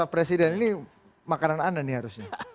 kator sabresi dan ini makanan anda nih harusnya